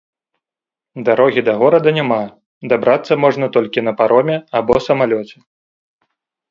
Дарогі да горада няма, дабрацца можна толькі на пароме або самалёце.